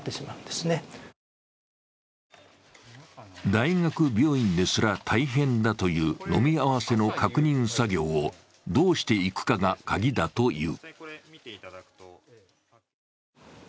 大学病院ですら大変だという飲み合わせの確認作業をどうしていくかがカギだという。